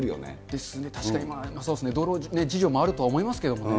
ですね、確かに、そうっすね、道路事情もあるとは思いますけどね。